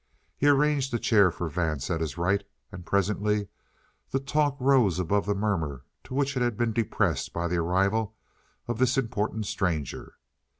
He arranged a chair for Vance at his right, and presently the talk rose above the murmur to which it had been depressed by the arrival of this important stranger.